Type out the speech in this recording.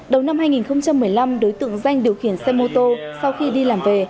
đầu năm hai nghìn một mươi năm đối tượng danh điều khiển xe mô tô sau khi đi làm về